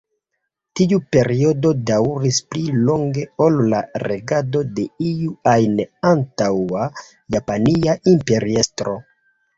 Tiu periodo daŭris pli longe ol la regado de iu ajn antaŭa japania imperiestro.